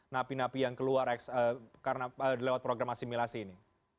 napi napi yang keluar karena lewat program asimilasi ini